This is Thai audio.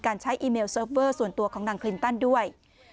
ใช้อีเมลเซิร์ฟเวอร์ส่วนตัวของนางคลินตันด้วย